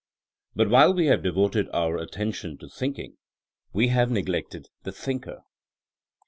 Bnt while we have devoted our attention to thinking, we have neglected the thinker.